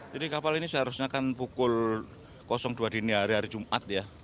jadi kapal ini seharusnya kan pukul dua hari jumat ya